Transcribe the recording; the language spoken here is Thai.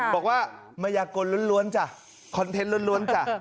บอกว่ามยากลล้วนจ้ะคอนเทนต์ล้วนจ้ะ